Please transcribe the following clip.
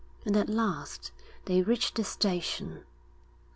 And at last they reached the station.